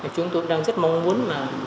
chúng tôi đang rất mong muốn